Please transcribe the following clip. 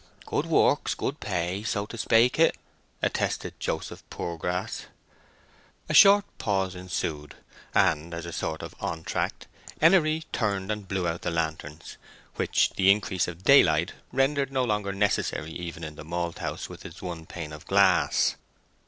"Good works good pay, so to speak it," attested Joseph Poorgrass. A short pause ensued, and as a sort of entr'acte Henery turned and blew out the lanterns, which the increase of daylight rendered no longer necessary even in the malthouse, with its one pane of glass.